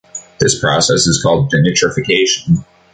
This process is called denitrification.